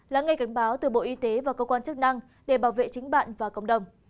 lắng nghe cảnh báo từ bộ y tế và cơ quan chức năng để bảo vệ chính bạn và cộng đồng